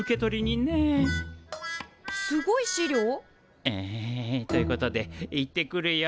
すごい資料？えということで行ってくるよ。